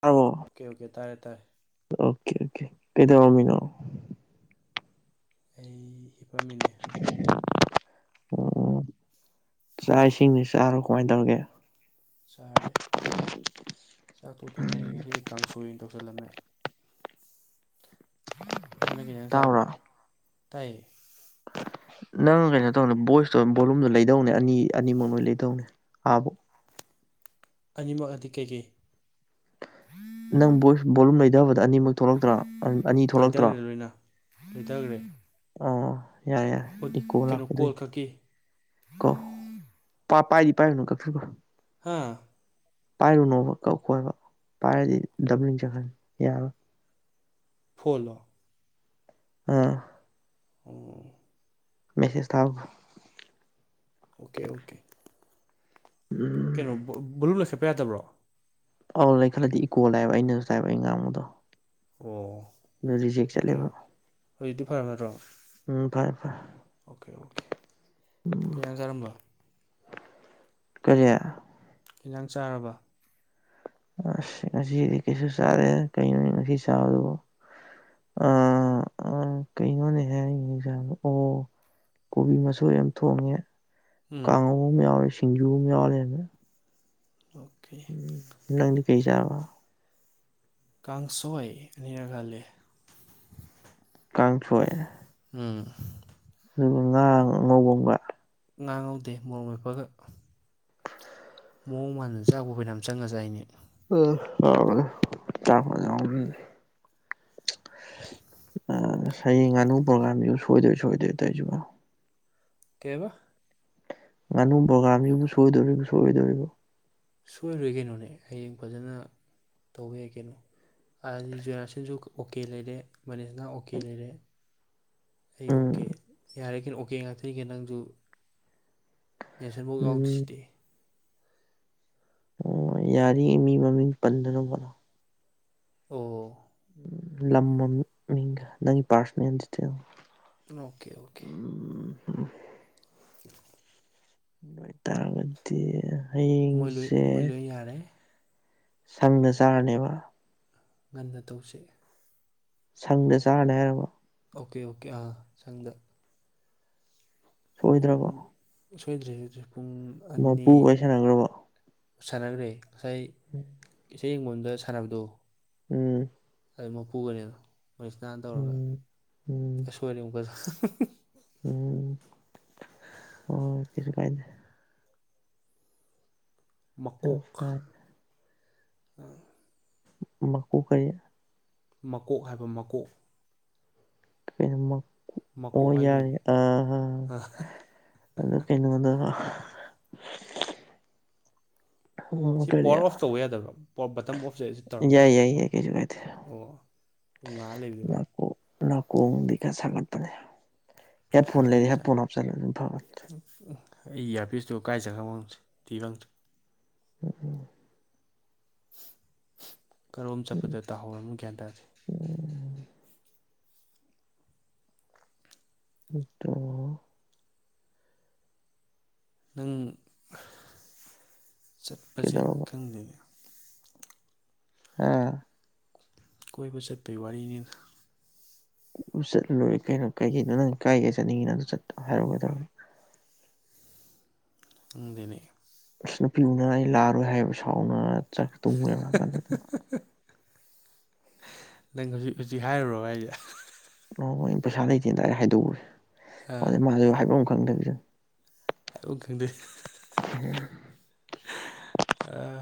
ꯇꯥꯕꯣ okay okay ꯇꯥꯏꯦ ꯇꯥꯏ ꯑꯣꯀꯦ ꯑꯣꯀꯦ ꯀꯩꯗ ꯃꯃꯤꯅꯣ ꯑꯩ ꯍꯤꯞꯄꯝꯃꯤꯅꯦ ꯑꯣ ꯆꯥꯛ ꯏꯁꯤꯡꯅꯤ ꯆꯥꯔꯣ ꯀꯃꯥꯏꯅ ꯇꯧꯔꯒꯦ ꯆꯥꯔꯦ ꯆꯥꯛ ꯊꯣꯛꯇ ꯉꯥꯏꯔꯤ ꯎꯝ ꯉꯁꯤꯗꯤ ꯀꯥꯡꯁꯣꯏꯅ ꯇꯧꯁꯤꯜꯂꯝꯃꯦ ꯅꯪꯅ ꯈꯤꯇꯪ ꯆꯥꯕ ꯇꯥꯕ꯭ꯔꯥ ꯇꯥꯏꯌꯦ ꯅꯪ ꯀꯩꯅꯣ ꯇꯧꯅꯦ ꯚꯣꯏꯁꯇꯣ ꯚꯣꯂꯨꯝꯗꯣ ꯂꯩꯗꯧꯅꯦ ꯑꯅꯤ ꯑꯅꯤꯃꯛ ꯂꯣꯏ ꯂꯩꯗꯧꯅꯦ ꯑꯥꯕꯧ ꯑꯅꯤꯃꯛ ꯑꯗꯤ ꯀꯩꯀꯩ ꯅꯪ ꯕꯣꯂꯨꯝ ꯂꯩꯗꯕꯗ ꯑꯅꯤꯃꯛ ꯊꯣꯛꯂꯛꯇ꯭ꯔꯣ ꯑꯅꯤ ꯊꯣꯛꯂꯛꯇ꯭ꯔꯣ ꯂꯩꯊꯈ꯭ꯔꯦ ꯂꯣꯏꯅ ꯂꯩꯊꯈ꯭ꯔꯦ ꯑ ꯌꯥꯔ ꯌꯥꯏꯔ ꯏꯀꯣ ꯀꯩꯅꯣ ꯀꯣꯜ ꯂꯥꯛꯄꯗꯅꯤ ꯈꯛꯀꯤ ꯀꯣ ꯄ ꯄꯥꯏꯗꯤ ꯄꯥꯏꯔꯨꯅꯨ ꯀꯛꯊꯠꯈ꯭ꯔꯣ ꯍꯥꯥ ꯄꯥꯏꯔꯨꯅꯣꯕ ꯀꯛ ꯈꯣꯏꯕ ꯄꯥꯏꯔꯗꯤ ꯗꯕꯂꯤꯡ ꯆꯍꯟ ꯌꯥꯔꯣꯏ ꯐꯣꯂꯣ ꯑ ꯑꯣ ꯃꯦꯁꯦꯖ ꯊꯥꯎ ꯑꯣꯀꯦ ꯑꯣꯀꯦ ꯎꯝ ꯀꯩꯅꯣ ꯕꯂꯨ ꯂꯩꯈꯠꯄ ꯌꯥꯗꯕ꯭ꯔꯣ ꯑꯧ ꯂꯩ ꯈꯠꯂꯗꯤ ꯏꯀꯣꯜ ꯂꯥꯛꯑꯕ ꯑꯩꯅꯁꯨ ꯇꯥꯏꯕ ꯑꯩ ꯉꯥꯡꯕꯗꯣ ꯑꯣ ꯑꯗꯨ ꯔꯤꯖꯦꯛ ꯑꯣꯀꯦ ꯆꯠꯂꯦꯕ ꯑꯣ ꯍꯧꯖꯤꯛꯇꯤ ꯐꯔꯕ ꯅꯠꯇ꯭ꯔꯣ ꯎꯝ ꯐꯔꯦ ꯐꯔꯦ ꯑꯣꯀꯦ ꯑꯣꯀꯦ ꯀꯩꯖꯥꯡ ꯆꯥꯔꯝꯕ ꯀꯔꯤ ꯍꯤꯟꯖꯥꯡ ꯆꯥꯔꯕ ꯑꯁ ꯉꯁꯤꯗꯤ ꯀꯩꯁꯨ ꯆꯥꯔꯦ ꯀꯩꯅꯣ ꯉꯁꯤ ꯆꯕꯗꯣ ꯑ ꯑꯪ ꯀꯩꯅꯣꯅꯦꯍꯦ ꯑꯩ ꯉꯁꯥꯏ ꯆꯥꯕꯗꯣ ꯑꯣ ꯀꯣꯕꯤ ꯃꯆꯣꯏ ꯌꯥꯝ ꯊꯣꯡꯉꯦ ꯎꯝ ꯀꯥꯡꯉꯧ ꯑꯃ ꯌꯥꯎꯔꯦ ꯁꯤꯡꯖꯨ ꯑꯃ ꯌꯥꯎꯔꯂꯦꯅ ꯑꯣꯀꯦ ꯎ ꯅꯪꯗꯤ ꯀꯩ ꯆꯥꯔꯕ ꯀꯥꯡꯁꯣꯏ ꯑ ꯅꯥꯒꯥꯂꯦ ꯀꯥꯡꯁꯣꯏ ꯎꯝ ꯑꯗꯨꯒ ꯉꯥ ꯉꯧꯕꯝꯒ ꯉꯥ ꯉꯧꯗꯦ ꯃꯣꯔꯣꯛ ꯃꯦꯠꯄꯒ ꯃꯑꯣꯡ ꯃꯥꯟꯗꯅ ꯆꯥꯛꯕꯨ ꯐꯩꯅꯥꯝ ꯆꯪꯉ ꯆꯥꯏꯅꯦ [unintelligible] ꯑꯥꯁ ꯍꯌꯦꯡ ꯉꯥꯅꯨ ꯄ꯭ꯔꯣꯒꯥꯝꯁꯤꯁꯨ ꯁꯣꯏꯗꯣꯏ ꯁꯣꯏꯗꯣꯏ ꯇꯧꯖꯤꯕ ꯀꯩꯕ ꯉꯥꯅꯨ ꯄꯔꯣꯒꯥꯝꯁꯤꯕꯨ ꯁꯣꯏꯗꯣꯔꯤꯕ ꯁꯣꯏꯗꯣꯔꯤꯕ ꯁꯣꯏꯔꯣꯏ ꯀꯩꯅꯣꯅꯦ ꯍꯌꯦꯡ ꯐꯖꯅ ꯇꯧꯕ ꯌꯥꯏ ꯀꯩꯅꯣ ꯑꯗꯨꯗꯤ ꯖꯣꯏꯔꯥꯁꯤꯖꯄ ꯑꯣꯀꯦ ꯂꯩꯔꯦ ꯃꯅꯤꯁꯅꯥ ꯑꯣꯀꯦ ꯂꯩꯔꯦ ꯑꯩ ꯎꯝ ꯑꯣꯀꯦ ꯌꯥꯔꯀꯩꯅꯣ ꯑꯣꯀꯦ ꯉꯥꯛꯇꯅꯤ ꯅꯪꯖꯨ ꯅꯦꯜꯁꯟꯕꯧ ꯎꯝ ꯌꯥꯎꯗꯤꯁꯤꯗꯤ ꯑꯣ ꯌꯥꯔꯤꯉꯩ ꯃꯤ ꯃꯃꯤꯡ ꯄꯟꯗꯅꯕ ꯍꯣꯠꯅꯧ ꯑꯣ ꯂꯝ ꯃꯃꯤꯡꯒ ꯅꯪꯒꯤ ꯄꯥꯔꯁꯅꯦꯜ ꯗꯤꯇꯦꯜ ꯑꯣꯀꯦ ꯑꯣꯀꯦ ꯎꯝ ꯑꯗꯨ ꯑꯣꯏꯇꯥꯔꯒꯗꯤ ꯃꯣꯏ ꯂꯣꯏ ꯍꯌꯦꯡꯖꯦ ꯃꯣꯏ ꯂꯣꯏ ꯌꯥꯔꯦ ꯁꯪꯗ ꯆꯥꯔꯅꯦꯕ ꯉꯟꯅ ꯇꯧꯁꯦ ꯁꯪꯗ ꯆꯥꯔꯦꯅꯤ ꯍꯥꯏꯔꯕ ꯑꯣꯀꯦ ꯑꯣꯀꯦ ꯑꯥ ꯁꯪꯗ ꯄꯨꯡ ꯁꯣꯏꯗ꯭ꯔꯕꯣ ꯁꯣꯏꯗ꯭ꯔꯦ ꯑꯗꯨꯗꯤ ꯄꯨꯡ ꯃꯄꯨ ꯑꯅꯤ ꯋꯥꯔꯤ ꯁꯥꯟꯅꯈ꯭ꯔꯕꯣ ꯁꯥꯟꯅꯒ꯭ꯔꯦ ꯉꯁꯥꯏ ꯏꯁꯩ ꯌꯦꯡꯕꯝꯗ ꯁꯥꯟꯅꯕꯗꯣ ꯎꯝ ꯑꯗꯨ ꯃꯈꯨꯒꯅꯦ ꯃꯩꯁꯥꯅ ꯇꯧꯔꯒ ꯎꯝ ꯎꯝ ꯑꯦ ꯁꯣꯏꯔꯦ ꯑꯃꯨꯛꯀꯁꯨ ꯎꯝ ꯑꯣ ꯀꯩꯁꯨ ꯀꯥꯏꯗ ꯃꯀꯣꯛ ꯃꯀꯣ ꯀꯔꯤ ꯃꯀꯣꯛ ꯍꯥꯏꯕ ꯃꯀꯣꯛ ꯀꯩꯅꯣ ꯃꯛ ꯑꯣ ꯃꯀꯣꯛ ꯌꯥꯔꯦ ꯍꯥꯏꯗꯣꯏꯅꯦ ꯑꯥꯥ ꯑꯗꯨ ꯀꯩꯅꯣꯗ ꯁꯤ ꯀꯔꯤ ꯄꯋꯥꯔ ꯑꯣꯐ ꯇꯧꯕ ꯌꯥꯗꯕ꯭ꯔ ꯄꯋꯥ ꯕꯇꯝ ꯑꯣꯐ ꯁꯂ ꯇꯧꯔꯒ ꯌꯥꯏ ꯌꯥꯏ ꯌꯥꯏ ꯀꯩꯁꯨ ꯀꯥꯏꯗꯦ ꯑꯣ ꯄꯨꯡ ꯉꯥ ꯂꯩꯔꯨꯗꯣꯏꯕ ꯂꯀꯣꯡꯗꯤ ꯈꯔ ꯁꯥꯒꯠꯄꯅꯦ ꯍꯦꯠ ꯁꯥ ꯐꯣꯟ ꯀꯟꯅ ꯂꯩꯔꯤ ꯍꯦꯠ ꯁꯥ ꯐꯣꯟ ꯍꯥꯞꯆꯜꯂꯨ ꯅꯪ ꯐꯣꯟꯗꯣ ꯑꯩ ꯏꯌꯥꯔꯄꯤꯁꯇꯣ ꯀꯥꯏ ꯆꯠꯈꯔꯥꯕꯂꫭ ꯊꯤꯕꯪꯗꯦ ꯎꯝ ꯎꯝ ꯀꯔꯣꯝ ꯆꯠꯄꯗ ꯇꯍꯧꯔꯝ ꯒ꯭ꯌꯥꯟ ꯇꯥꯔꯗꯤ ꯎꯝ ꯅꯪ ꯆꯠꯄꯁꯦ ꯀꯩꯗꯧꯔꯕ ꯈꯪꯗꯦ ꯑꯥ ꯀꯣꯏꯕ ꯆꯠꯄꯩ ꯋꯥꯔꯤꯅꯤꯗ ꯆꯠꯔꯂꯣꯏꯔꯦ ꯀꯩꯅꯣ ꯀꯩꯒꯤꯅꯣ ꯅꯪ ꯀꯥꯏ ꯒꯥꯏ ꯆꯠꯅꯤꯡꯉꯤꯅꯣ ꯑꯗꯨ ꯆꯠ ꯍꯥꯏꯔꯛꯑꯣ ꯒꯩꯗꯧꯔꯒꯦ ꯈꯪꯗꯦꯅꯦ ꯑꯁ ꯅꯨꯄꯤ ꯎꯅꯔ ꯑꯩ ꯂꯥꯛꯔꯣꯏ ꯍꯥꯏꯕ ꯁꯥꯎꯅꯔ ꯆꯠ [unintelligible] ꯑꯗꯨ ꯅꯪ ꯍꯧꯖꯤꯛ ꯍꯧꯖꯤꯛ ꯍꯥꯏꯔꯨꯔꯕ ꯍꯥꯏꯖꯦ ꯑꯣꯏ ꯄꯩꯁꯥ ꯂꯩꯇꯦꯅ ꯗꯥꯏꯔꯦꯛ ꯍꯥꯏꯗꯣꯛꯎꯔꯦ ꯑꯥ ꯑꯗꯩ ꯃꯣꯏꯁꯨ ꯍꯥꯏꯐꯝ ꯈꯪꯗꯕꯤꯗ ꯍꯥꯏꯕꯨ ꯈꯪꯗꯦ ꯑꯥ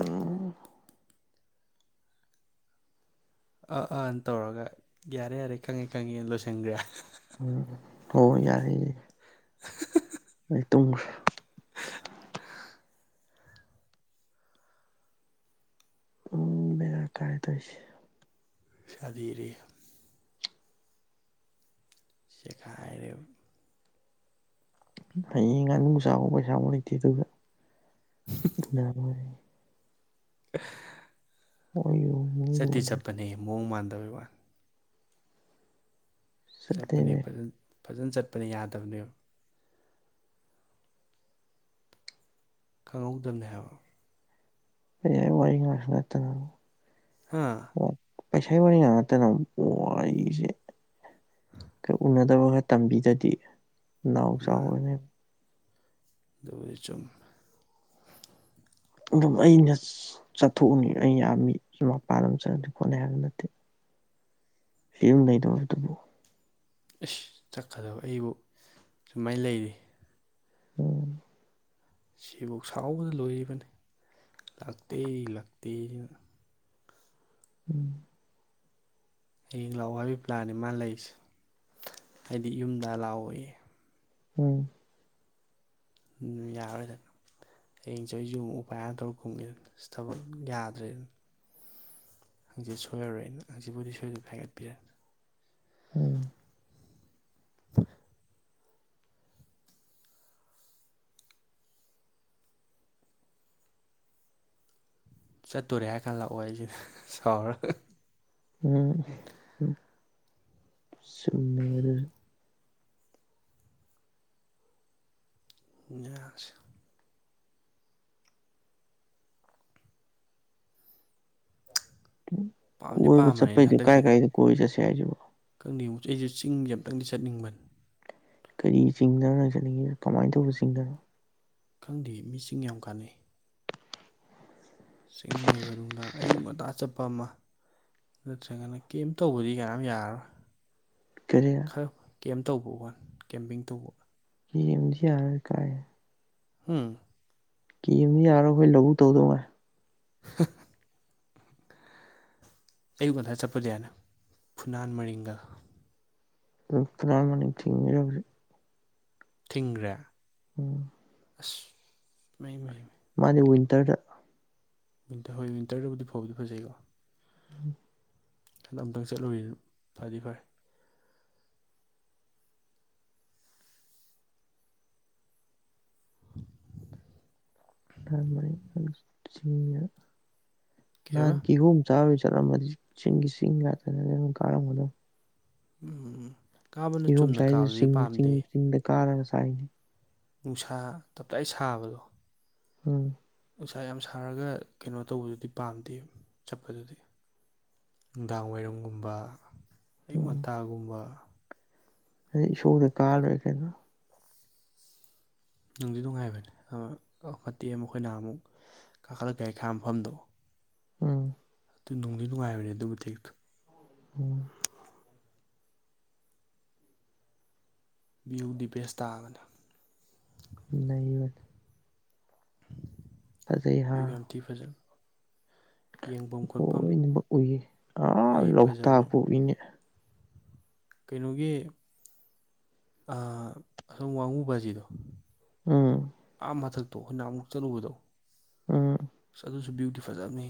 ꯎꯝ ꯑꯥ ꯑꯥ ꯇꯧꯔꯒ ꯌꯥꯔꯦ ꯌꯥꯔꯦ ꯈꯪꯉꯦ ꯈꯪꯉꯦꯅ ꯂꯣꯏꯁꯟꯒ꯭ꯔꯤꯔꯥ ꯎꯝ ꯍꯣ ꯌꯥꯔꯦ ꯑꯩ ꯇꯨꯝꯈ꯭ꯔꯦ [unintelligible] ꯆꯗꯤꯔꯤ ꯁꯦꯈꯥꯏꯔꯦꯕꯥ ꯍꯌꯦꯡ ꯉꯥꯅꯨ ꯆꯥꯕ ꯄꯩꯁꯥꯐꯥꯎ ꯂꯩꯇꯦ ꯑꯗꯨꯒ [inaudible] [unintelligible] ꯆꯠꯇꯤ ꯆꯠꯄꯅꯦ ꯃꯑꯣꯡ ꯃꯥꯟꯗꯕꯩ ꯋꯥꯅꯤ ꯆꯠꯄꯅꯦ ꯆꯠꯂꯦꯃꯦ ꯐꯖꯅ ꯆꯠꯄꯅꯦ ꯌꯥꯗꯕꯅꯦꯕ ꯈꯪꯍꯧꯗꯕꯅꯦ ꯍꯥꯏꯕ [unintelligible] ꯍꯥꯥ ꯑꯣ ꯄꯩꯁꯥ ꯋꯥꯔꯤ ꯉꯥꯛꯇꯅ ꯋꯥꯔꯤꯁꯦ ꯎꯅꯥ ꯐꯖꯅꯥ ꯇꯝꯕꯤꯗꯗꯤ ꯅꯥꯎ ꯃꯥ ꯆꯥꯎꯕꯅꯦ ꯑꯗꯨꯕꯨꯗꯤ ꯆꯨꯝ ꯑꯗꯨꯝ ꯑꯩꯅ ꯆꯠꯊꯣꯛꯎꯅꯤ ꯑꯩ ꯌꯥꯝꯃꯤ ꯃꯄꯥꯟꯗ ꯑꯃ ꯆꯠꯂꯗꯤ ꯈꯣꯠꯅꯩ ꯍꯥꯏꯕ ꯅꯠꯇꯦ ꯌꯨꯝ ꯂꯩꯗꯧꯕꯗꯨꯕꯨ ꯑꯁ ꯆꯠꯀꯗꯕ ꯑꯩꯕꯨ ꯁꯨꯃꯥꯏꯅ ꯂꯩꯔꯤ ꯎꯝ꯫ ꯁꯤꯕꯨꯛ ꯁꯥꯎꯕꯗ ꯂꯣꯏꯔꯤꯕꯅꯤ ꯂꯥꯛꯇꯦ ꯂꯥꯛꯇꯦꯁꯤꯅ ꯎꯝ ꯍꯌꯦꯡ ꯂꯥꯛꯑꯣ ꯍꯥꯏꯕꯒꯤ ꯄ꯭ꯂꯥꯟꯅꯦ ꯃꯥ ꯂꯩꯔꯤꯁꯦ ꯍꯥꯏꯗꯤ ꯌꯨꯝꯗ ꯂꯥꯛꯑꯣꯌꯦ ꯎꯝ ꯎꯝ ꯌꯥꯔꯣꯏꯗ ꯍꯌꯦꯡꯁ ꯑꯩ ꯌꯨꯝ ꯎꯄꯥꯏꯔ ꯇꯧꯔ ꯀꯨꯝꯃꯦꯅ ꯁꯤ ꯊꯕꯛ ꯌꯥꯗ꯭ꯔꯦꯅ ꯍꯪꯆꯠ ꯁꯣꯏꯔꯔꯣꯏꯅ ꯍꯪꯁꯤꯕꯨꯗꯤ ꯁꫭꯏꯗꯅ ꯍꯥꯏꯒꯠꯄꯤꯔꯛꯒꯦ ꯎꯝ [inaudible] ꯆꯠꯇꯣꯔꯦ ꯍꯥꯏ ꯈꯜꯂꯥꯛꯑꯣ ꯑꯩꯁꯤ ꯁꯥꯎꯔꯒ ꯎꯝ ꯆꯨꯝꯃꯤ ꯃꯗꯨꯁꯨ [inaudible] ꯉꯥꯛꯁ ꯄꯥꯝꯗꯤ ꯀꯣꯏꯕ ꯄꯥꯝꯕꯅꯦ ꯆꯠꯄꯩꯗꯨ ꯀꯥꯏ ꯀꯥꯏꯗ ꯀꯣꯏꯕ ꯆꯠꯁꯦ ꯍꯥꯏꯁꯤꯕꯣ [unintelligible] ꯑꯩꯖꯦ ꯆꯤꯡꯖꯦ ꯑꯝꯇꯪꯗꯤ ꯆꯠꯅꯤꯡꯕꯅꯤ꯫ ꯀꯔꯤ ꯆꯤꯡꯗꯅꯣ ꯅꯪ ꯆꯠꯅꯤꯡꯉꯤꯁꯦ ꯀꯃꯥꯏꯅ ꯇꯧꯕ ꯆꯤꯡꯗꯅꯣ꯫ ꯈꯪꯗꯦ ꯃꯤꯁꯤꯡ ꯌꯥꯝ ꯀꯥꯟꯅꯩ ꯆꯤꯡꯗꯒ ꯅꯨꯡꯗꯥꯡ ꯑꯌꯨꯛ ꯉꯟꯇꯥ ꯆꯠꯄ ꯑꯃ ꯅꯠꯇ꯭ꯔꯒꯅ ꯀꯦꯝ ꯇꯧꯕꯗꯤ ꯀꯅꯥꯝ ꯌꯥꯔꯔꯣꯏ꯫ ꯀꯔꯤ ꯈꯔ ꯀꯦꯝ ꯇꯧꯕ ꯋꯥꯟ ꯀꯦꯝꯄꯤꯡ ꯇꯧꯕ ꯌꯦꯟꯁꯦ ꯌꯥꯔꯔꯣꯏ ꯀꯥꯏ ꯍꯨꯝ ꯀꯤꯕꯅ ꯌꯥꯔꯣꯏ ꯑꯩꯈꯣꯏ ꯂꯧꯕꯎ ꯇꯧꯗꯧ ꯉꯥꯢ [unintelligible] ꯑꯌꯨꯛ ꯉꯟꯗ ꯆꯠꯄꯗꯤ ꯌꯥꯅꯦ ꯐꯨꯅꯥꯟ ꯃꯔꯤꯡꯒ ꯑꯗꯨ [unintelligible] ꯊꯤꯡꯈ꯭ꯔꯦ ꯎꯝ ꯑꯁ ꯃꯩ ꯃꯩ ꯃꯩ ꯃꯥꯗꯤ ꯋꯤꯟꯇꯔꯗ ꯋꯤꯟꯇꯔ ꯍꯣꯏ ꯋꯤꯟꯇꯔꯗꯕꯨꯗꯤ ꯐꯕꯨꯗꯤ ꯐꯖꯩꯀꯣ꯫ ꯎꯝ ꯍꯟꯗꯛ ꯑꯃꯨꯛꯇꯪ ꯆꯠꯂꯨꯏꯌꯦ ꯐꯗꯤ ꯐꯔꯦ꯫ ꯁꯤ ꯅꯥꯟ ꯀꯩꯕ ꯀꯣ ꯆꯥꯔ ꯆꯠꯂꯝꯃꯗꯤ ꯆꯤꯡꯒꯤ ꯆꯤꯡ ꯉꯥꯛꯇꯅꯦ ꯑꯗꯨꯝ ꯀꯥꯔꯝꯕꯥꯗꯣ ꯎꯝ ꯀꯥꯕꯅ ꯀꯤꯍꯣꯝ ꯆꯨꯝꯅ ꯆꯥꯏꯗꯨ ꯀꯥꯕꯗꯤ ꯆꯤꯡ ꯆꯤꯡ ꯄꯥꯝꯗꯦ ꯆꯤꯡꯗ ꯀꯥꯔꯒ ꯁꯥꯏꯉ ꯅꯨꯡꯁꯥ ꯇꯞꯇꯥꯏ ꯁꯥꯕꯗꯣ ꯎꯝ ꯎꯁꯥ ꯌꯥꯝ ꯁꯥꯔꯒ ꯀꯩꯅꯣ ꯇꯧꯕꯗꯨꯗꯤ ꯄꯥꯝꯗꯦ ꯆꯠꯄꯗꯨꯗꯤ ꯅꯨꯡꯗꯥꯡ ꯋꯥꯏꯔꯝꯒꯨꯝꯕ ꯑꯌꯨꯛ ꯉꯟꯇꯥꯒꯨꯝꯕ ꯑ ꯏꯁꯣꯔꯗ ꯀꯥꯔ꯭ ꯂꯣꯏꯔꯦ ꯀꯩꯅꯣ ꯅꯨꯡꯗꯤ ꯅꯨꯡꯉꯥꯏꯕꯅꯦ ꯑꯥ ꯑꯈꯠꯇꯦ ꯃꯈꯣꯏ ꯅꯥꯍꯟꯃꯨꯛ ꯀꯥꯈꯠꯂꯛ ꯒꯥꯔꯤ ꯈꯥꯝꯐꯝꯗꯣ ꯎꯝ ꯗꯨ ꯅꯨꯡꯗꯤ ꯅꯨꯡꯉꯥꯏꯕꯅꯦ ꯑꯗꯨ ꯃꯇꯦꯛꯇꯣ꯫ ꯎꯝ ꯕꯤꯌꯨ ꯗꯤꯄꯦꯁ ꯇꯥꯒꯅ [unintelligible] ꯐꯖꯩꯍꯥ ꯇꯤ ꯐꯖꯕ ꯌꯦꯡꯐꯝ ꯈꯣꯠꯐꯝ ꯂꯣꯏꯅꯃꯛ ꯑꯣꯏ ꯐꯖꯕꯅꯦ ꯏ ꯀꯩꯅꯣꯒꯤ ꯑ ꯑꯁꯣꯝ ꯋꯥꯡꯉꯨ ꯕꯥꯖꯤꯗꯣ ꯎꯝ ꯑꯥ ꯃꯊꯛꯇꯣ ꯑꯩꯈꯣꯏ ꯅꯍꯥꯃꯨꯛ ꯆꯠꯂꯨꯕꯗꯣ ꯎꯝ ꯑꯗꯨꯖꯨ ꯁꯨ ꯕꯌꯨꯗꯤ ꯐꯖꯕꯅꯦ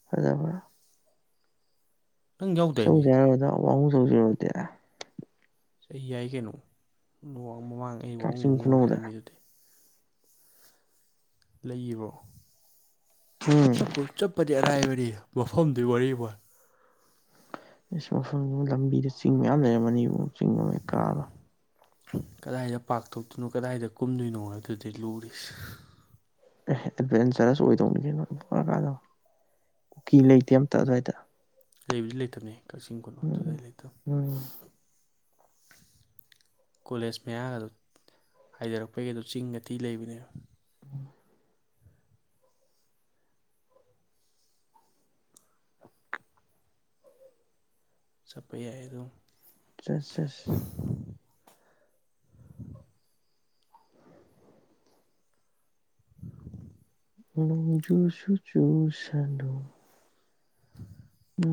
[unintelligible] ꯅꯪ ꯆꯧ ꯌꯥꯎꯗꯥꯏꯅꯦ ꯆꯥꯅꯕꯗꯣ ꯋꯥꯉꯨ ꯆꯠꯂꯨꯁꯤꯔꯣꯗꯨꯗꯤ ꯆꯍꯤ ꯌꯥꯏ ꯀꯩꯅꯣ ꯅꯣ ꯃꯃꯥꯡ ꯑꯩ ꯋꯥꯡꯉꯨ ꯀꯛꯆꯤꯡ ꯋꯥꯡꯉꯨꯅ ꯈꯨꯅꯧꯗ ꯍꯥꯏꯔꯝꯃꯤꯗꯨꯗꯤ ꯂꯩꯔꯤꯕꯣ ꯎꯝ ꯆꯠꯄꯨ ꯆꯠꯄꯗꯤ ꯑꯔꯥꯏꯕꯗꯤ ꯃꯐꯝꯗꯨꯒꯤ ꯋꯥꯔꯤ ꯋꯥ ꯏꯁꯃꯠ ꯐꯣꯟ ꯂꯝꯕꯤꯗ ꯆꯤꯡ ꯃꯌꯥꯝ ꯂꯩꯔꯝ ꯃꯅꯤꯄ ꯆꯤꯡ ꯑꯃ ꯀꯥꯗꯣ ꯀꯗꯥꯏꯗ ꯄꯥꯛ ꯇꯧꯗꯨꯏꯅꯣ ꯀꯗꯥꯏꯗ ꯀꯨꯝꯗꯣꯏꯅꯣ ꯑꯗꯨꯗꯤ ꯂꯨꯔꯤꯁꯦ ꯑꯦ ꯑꯦꯗꯚꯦꯟꯆꯔꯁ ꯑꯣꯏꯗꯧꯅꯤ ꯀꯩꯅꯣꯅꯨꯄꯥ ꯀꯥꯏꯅꯣ ꯀꯨꯀꯤ ꯂꯩꯇꯦ ꯑꯝꯇ ꯑꯗꯨ꯭ꯋꯥꯏꯗ ꯂꯩꯕꯗꯤ ꯂꯩꯇꯕꯅꯦ ꯀꯛꯆꯤꯡ ꯀꯣ ꯑꯗꯨꯗ ꯎꯝ ꯑꯩ ꯂꯩꯇꯕ ꯎꯝ ꯀꯣꯂꯦꯖ ꯃꯌꯥꯒꯗꫭ ꯍꯥꯏꯗꯔꯛꯄꯒꯤ ꯑꯗꯨ ꯆꯤꯡꯉ ꯊꯤ ꯂꯩꯕꯅꯦꯕ ꯆꯠꯄ ꯌꯥꯏ ꯑꯗꯨꯝ ꯆꯠꯁꯦꯁ ꯅꫭꯡꯖꯨꯁꯨ ꯆꯨꯁꯅꯨ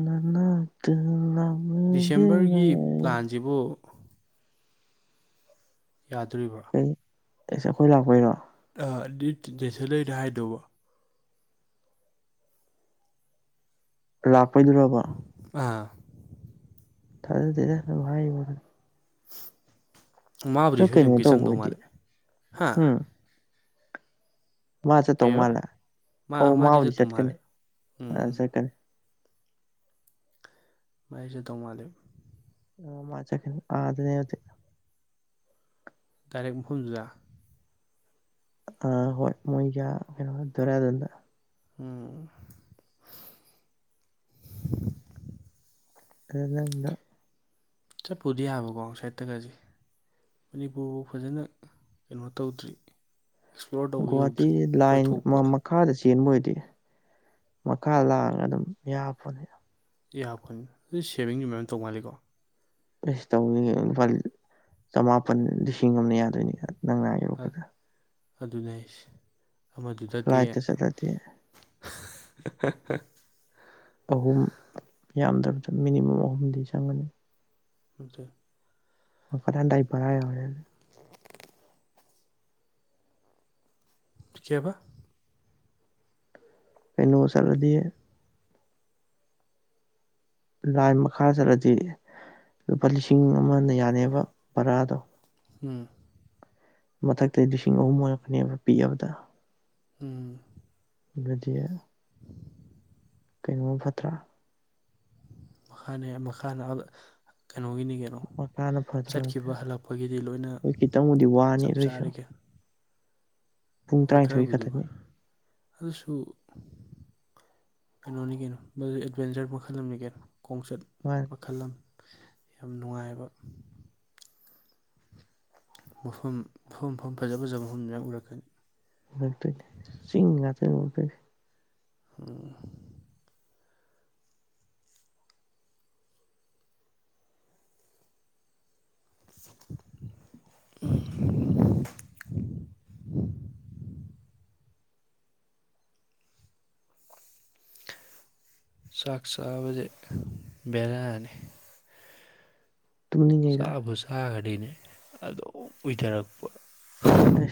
ꯅꯅꯥꯛꯇ ꯂꯥꯛꯂ ꯗꯤꯁꯦꯝꯕꯔꯒꯤ ꯄ꯭ꯂꯥꯟꯁꯤꯕꯨ ꯌꯥꯗꯣꯔꯤꯕ꯭ꯔꯥ ꯁ ꯑꯩꯈꯣꯏ ꯂꯥꯛꯄꯩꯔꯣ ꯑꯗꯨ ꯅꯦꯁꯜꯂꯅ ꯍꯥꯏꯗꯧꯕ ꯂꯥꯛꯄꯣꯏꯗꯨꯔꯔꯕ ꯑ ꯊꯔꯗꯗ ꯍꯥꯏ ꯑꯗꯣ ꯃꯥꯕꯨꯁꯨ ꯑꯗꯨꯝ ꯀꯩꯅꯣ ꯀ ꯇꯧꯕ ꯆꯪꯗꯧ ꯑꯣꯏꯗꯤ ꯃꯥꯜꯂꯦ ꯍꯥ ꯎꯝ ꯃꯥ ꯆꯠꯇꯧ ꯀꯩꯕ ꯃꯥꯜꯂꯦ ꯃꯥ ꯑꯣ ꯃꯥꯗꯤ ꯃꯥꯕꯨꯗꯤ ꯆꯠꯇꯧ ꯆꯠꯀꯅꯤ ꯃꯥꯜꯂꯦ ꯑꯥ ꯎꯝ ꯆꯠꯀꯅꯤ ꯃꯥꯏꯁꯨ ꯆꯠꯇꯧ ꯃꯥꯜꯂꯦ ꯎꯝ ꯃꯥꯅ ꯆꯠꯈꯤꯗꫭ ꯑꯥꯗꯗꯤ ꯅꯠꯇꯦ ꯗꯥꯏꯔꯦꯛ ꯃꯐꯝꯗꯨꯗ ꯑ ꯍꯣꯏ ꯃꯣꯏꯒꯤ ꯑꯥ ꯀꯩꯅꯣ ꯗꯔꯥ ꯑꯗꯨꯗ ꯎꯝ ꯀꯩ ꯅꯝꯃꯤꯅꫭ ꯆꯠꯄꯨꯗꯤ ꯌꯥꯕꯀꯣ ꯑꯥꯎ ꯁꯥꯏꯠꯇꯒꯁꯦ ꯃꯅꯤꯄꯨꯔꯕꯨꯛ ꯐꯖꯅ ꯀꯩꯅꯣ ꯇꯧꯗ꯭ꯔꯤ ꯑꯦꯛꯁꯄ꯭ꯂꯣꯔ ꯇꯧꯕ ꯒꯨꯍꯥꯇꯤ ꯌꯧꯗ꯭ꯔꯤ ꯂꯥꯏꯟ ꯃ ꯀꯣꯏꯊꯣꯛꯄ ꯃꯈꯥꯗ ꯆꯦꯟꯕꯣꯏꯗꯤ ꯃꯈꯥ ꯂꯥꯡꯉ ꯑꯗꯨꯝ ꯌꯥ ꯐꯣꯅꯤ ꯌꯥꯈꯨꯟ ꯑꯗꯨ ꯁꯦꯚꯤꯡꯖꯨ ꯃꯌꯥꯝ ꯇꯧꯃꯜꯂꯤꯀꯣ ꯁ ꯇꯧ ꯂꯨꯄꯥ ꯆꯃꯥꯄꯜ ꯂꯤꯁꯤꯡ ꯑꯃ ꯌꯥꯗꯣꯏꯅꯤ ꯅꯪ ꯉꯥꯏꯕ ꯐꯖ ꯑꯗꯨꯅꯦ ꯍꯥꯏꯁꯦ ꯑꯃꯗꯨꯗꯗꯤ ꯐ꯭ꯂꯥꯏꯠꯇ ꯆꯠꯂꯗꯤ ꯑꯍꯨꯝ ꯌꯥꯝꯗ꯭ꯔꯕꯗ ꯃꯤꯅꯤꯃꯝ ꯑꯍꯨꯝꯗꯤ ꯆꯪꯒꯅꯤ [inaudible] ꯍꯪꯀꯠ ꯈꯟꯗꯥꯏꯒꯤ ꯕꯔꯥ ꯌꯥꯎꯔꯦ ꯑ [unintelligible] ꯀꯩꯕ ꯀꯩꯅꫭ ꯆꯠꯂꯗꯤ ꯂꯥꯏꯟ ꯃꯈꯥ ꯆꯠꯂꯗꯤ ꯂꯨꯄꯥ ꯂꯤꯁꯤꯡ ꯑꯃꯅ ꯌꯥꯅꯦꯕ ꯕꯔꯥꯗꯣ ꯎꯝ ꯃꯊꯛꯇ ꯂꯤꯁꯤꯡ ꯑꯍꯨꯝ ꯑꯣꯏꯔꯛꯀꯅꯦꯕ ꯄꯤꯛꯑꯕꯗ ꯎꯝ ꯑꯗꯨꯗꯤ ꯀꯩꯅꯣꯝ ꯐꯠꯇ꯭ꯔꯥ ꯃꯈ ꯃꯈꯥ ꯀꯩꯅꯣꯒꯤꯅꯤ ꯀ ꯅꫭ ꯃꯈꯥꯅ ꯐꯠꯇ꯭ꯔꯣ ꯆꯠꯈꯤꯕ ꯑꯗꯨꯗꯤ ꯍꯜꯂꯛꯄꯒꯤꯗꯤ ꯂꯣꯏꯅ ꯈꯤꯇꯪꯕꯨꯗꯤ ꯋꯥꯅꯤ ꯆꯞ ꯑꯗꯨꯏꯁꯨ ꯆꯥꯔꯒꯦ ꯄꯨꯡ ꯍꯣꯏ ꯇꯔꯥꯅꯤꯊꯣꯏ ꯈꯔꯕꯨꯗꯤꯕ ꯈꯛꯇꯅꯤ ꯑꯗꯨꯁꯨ ꯀꯩꯅꯣꯅꯤ ꯀꯩꯅꯣ ꯃꯗꯨ ꯑꯦꯠꯚꯦꯟꯆꯔ ꯃꯈꯜ ꯑꯃꯅꯤ ꯀꯩꯅꯣ ꯈꯣꯡꯆꯠ ꯃꯥꯅꯤ ꯃꯈꯜ ꯑꯃ ꯌꯥꯝ ꯅꯨꯡꯉꯥꯏꯕ ꯃꯐꯝ ꯃꯐꯝ ꯃꯐꯝ ꯐꯖ ꯐꯖꯕ ꯃꯐꯝ ꯃꯌꯥꯝ ꯎꯔꯛꯀꯅꯤ ꯎꯛꯇꯣꯏꯅꯦ ꯆꯤꯡ ꯉꯥꯛꯇꯅꯤ ꯎꯔꯛꯇꯣꯏꯁꯦ [inaudible] [inaudible] ꯆꯥꯛ ꯆꯥꯕꯁꯦ ꯕꯦꯔꯥꯅꯤ ꯇꯨꯝꯅꯤꯡꯉꯩꯔꯥ ꯆꯥꯕꯨ ꯆꯒꯅꯤꯅꯦ ꯑꯗꯨꯝ ꯎꯏꯊꯔꯛꯄ ꯑ